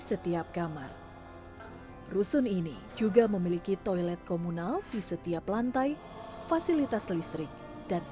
setiap kamar rusun ini juga memiliki toilet komunal di setiap lantai fasilitas listrik dan